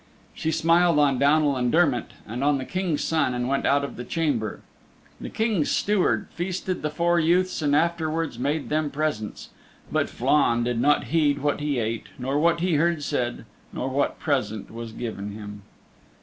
She smiled on Downal and Dermott and on the King's Son and went out of the Chamber. The King's Steward feasted the four youths and afterwards made them presents. But Flann did not heed what he ate nor what he heard said, nor what present was given him.